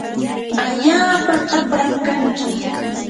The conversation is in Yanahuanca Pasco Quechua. allaapa tapram kanki.